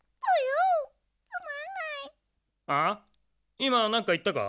いまなんかいったか？